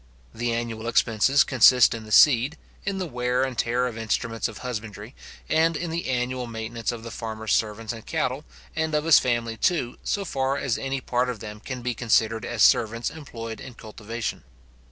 The annual expenses consist in the seed, in the wear and tear of instruments of husbandry, and in the annual maintenance of the farmer's servants and cattle, and of his family too, so far as any part of them can be considered as servants employed in cultivation.